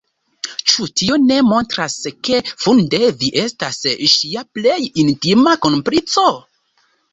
Ĉu tio ne montras ke, funde, vi estas ŝia plej intima komplico?